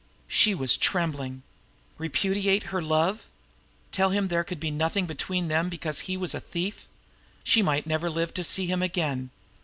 She was trembling. Repudiate her love? Tell him there could be nothing between them because he was a thief? She might never live to see him again.